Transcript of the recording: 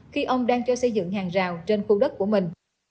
khi ông đang cho xây dựng hàng rào trên khu đất của mình